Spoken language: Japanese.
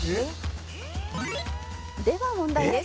「では問題です」